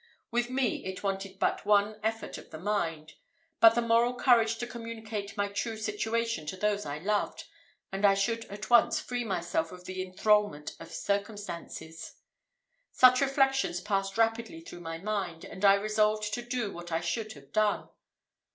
With me it wanted but one effort of the mind but the moral courage to communicate my true situation to those I loved, and I should at once free myself of the enthralment of circumstances. Such reflections passed rapidly through my mind, and I resolved to do what I should have done.